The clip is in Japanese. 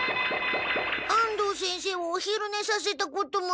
安藤先生をおひるねさせたこともない。